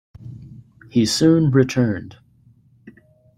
He soon returned.